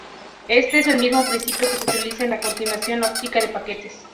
Éste es el mismo principio que se utiliza en la conmutación óptica de paquetes.